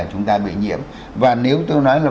chúng ta bị nhiễm và nếu tôi nói là